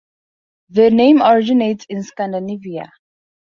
The name originates in Scandinavia.